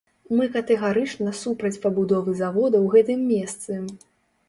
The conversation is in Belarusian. Мы катэгарычна супраць пабудовы завода ў гэтым месцы.